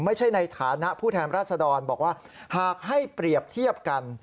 ในฐานะผู้แทนราชดรบอกว่าหากให้เปรียบเทียบกัน